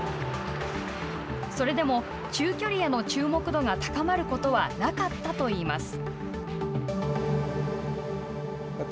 それでも、中距離への注目度が高まることはなかったといいます。